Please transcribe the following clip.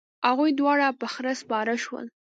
هغوی دواړه په خره سپاره شول.